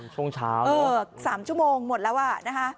ช่วงเช้า๓ชั่วโมงหมดแล้วอ่ะนะคะ